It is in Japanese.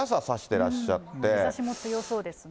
日ざしも強そうですね。